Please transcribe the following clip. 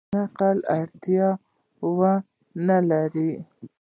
نقلي اړتیا ونه لري.